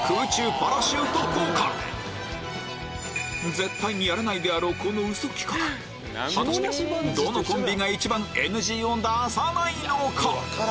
絶対にやらないであろうこのウソ企画果たしてどのコンビが一番ＮＧを出さないのか？